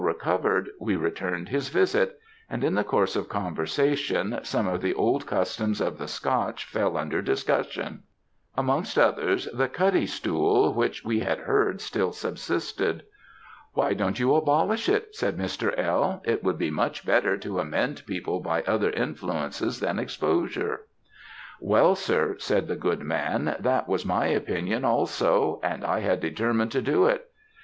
recovered, we returned his visit; and, in the course of conversation, some of the old customs of the Scotch fell under discussion; amongst others the cutty stool, which we had heard still subsisted. "'Why don't you abolish it?' said Mr. L. 'It would be much better to amend people by other influences than exposure.' "'Well, sir,' said the good man, 'that was my opinion also; and I had determined to do it.